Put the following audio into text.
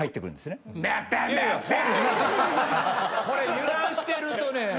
これ油断してるとね